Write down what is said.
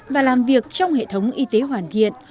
và làm việc trong hệ thống y tế hoàn thiện